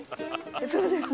そうですね。